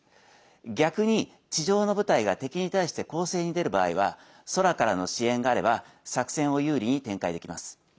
逆に地上の部隊が敵に対して攻勢に出る場合は空からの支援があれば作戦を有利に展開できます。